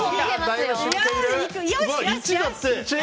１だって！